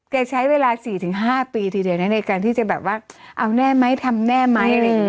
แกใช้เวลา๔๕ปีทีเดียวนะในการที่จะแบบว่าเอาแน่ไหมทำแน่ไหมอะไรอย่างนี้